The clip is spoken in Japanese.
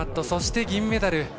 そして銀メダル